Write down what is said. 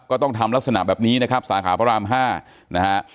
ก็ต้องทำลักษณะแบบนี้นะครับสาขาพระราม๕นะฮะ